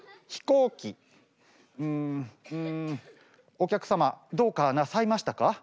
お客様どうかなさいましたか？